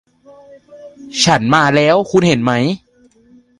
ฉันมาแล้ว คุณเห็นไหม